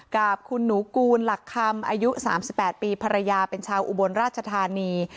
กับคุณหนูกูลหลักคำอายุ๓๘ปีภรรยาเป็นชาวอุบลราชธานี